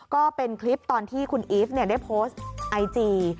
ก็เป็นคลิปตอนที่คุณอีฟได้โพสต์ไอจี